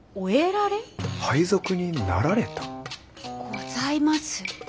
「ございます」？